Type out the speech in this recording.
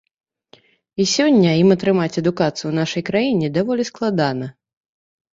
І сёння ім атрымаць адукацыю у нашай краіне даволі складана.